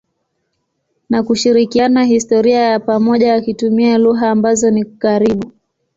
na kushirikiana historia ya pamoja wakitumia lugha ambazo ni karibu.